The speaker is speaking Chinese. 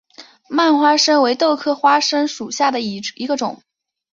蔓花生为豆科花生属下的一个种。